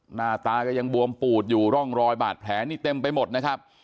หน้าตาก็ยังบวมปูดอยู่ร่องรอยบาดแผลนี่เต็มไปหมดนะครับ